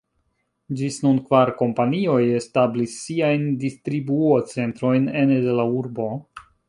Ĝis nun kvar kompanioj establis siajn distribuocentrojn ene de la urbo.